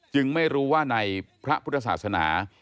ไม่รู้ว่าในพระพุทธศาสนา